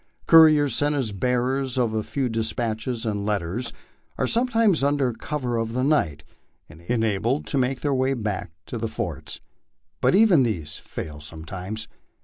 Couriers, sent as bearers of a few despatches and letters, are sometimes under cover of the night enabled to make their way back to the forts ; but even these fail sometimes.